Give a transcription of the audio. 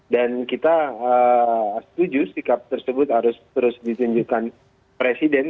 dan kita setuju sikap tersebut harus terus ditunjukkan presiden